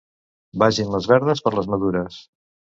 Vagin les verdes per les madures.